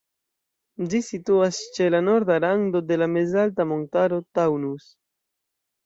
Ĝi situas ĉe la suda rando de la mezalta montaro Taunus.